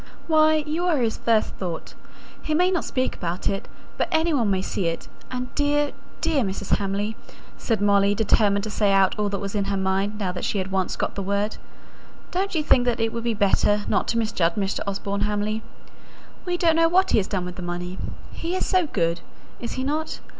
Why, you are his first thought: he may not speak about it, but any one may see it. And dear, dear Mrs. Hamley," said Molly, determined to say out all that was in her mind now that she had once got the word, "don't you think that it would be better not to misjudge Mr. Osborne Hamley? We don't know what he has done with the money: he is so good (is he not?)